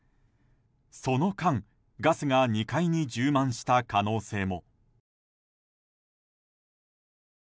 その間、ガスが２階に充満した可能性も。